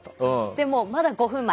でも、まだ５分前。